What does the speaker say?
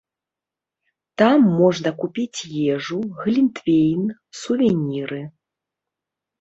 Там можна купіць ежу, глінтвейн, сувеніры.